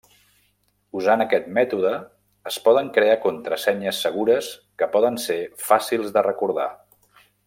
Usant aquest mètode, es poden crear contrasenyes segures que poden ser fàcils de recordar.